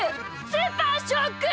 スーパーショック！